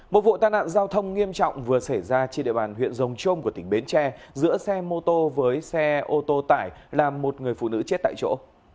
một vụ tai nạn giao thông nghiêm trọng vừa xảy ra trên địa bàn huyện rồng trôm của tỉnh bến tre giữa xe mô tô với xe ô tô tải làm một người phụ nữ chết tại chỗ